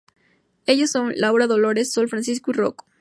Ellos son: Laura, Dolores, Sol, Francisco y Rocco.